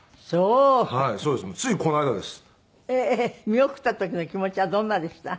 見送った時の気持ちはどんなでした？